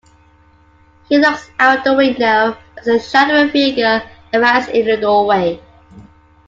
He looks out the window as a shadowy figure arrives in the doorway.